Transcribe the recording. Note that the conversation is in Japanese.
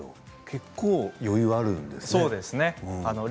結構、余裕があるんですね。